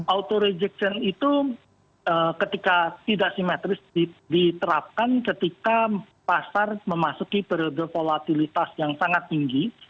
auto rejection itu ketika tidak simetris diterapkan ketika pasar memasuki periode volatilitas yang sangat tinggi